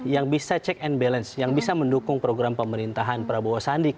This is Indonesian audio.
yang bisa check and balance yang bisa mendukung program pemerintahan prabowo sandi